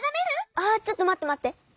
あちょっとまってまって。